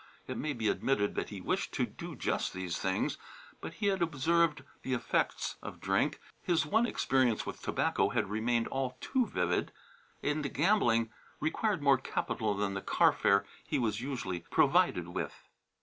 It may be admitted that he wished to do just these things, but he had observed the effects of drink, his one experience with tobacco remained all too vivid, and gambling required more capital than the car fare he was usually provided with.